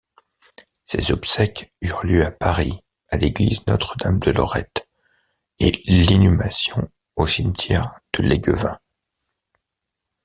Ses obsèques eurent lieu Paris à l’église Notre-Dame-de-Lorette et l’inhumation au cimetière de Léguevin.